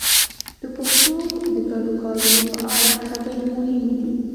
د پښتو د ګډو کارونو په اړه خبرې مهمې دي.